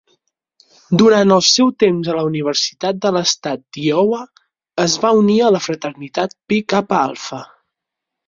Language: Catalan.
Durant el seu temps a la Universitat de l'Estat d'Iowa es va unir a la fraternitat Pi Kappa Alpha.